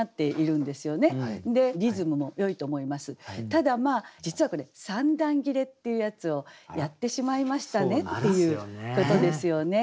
ただ実はこれ三段切れっていうやつをやってしまいましたねっていうことですよね。